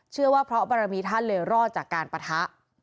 เชื่อว่าเพราะปรมีท่านเลยรอดจากการประทะ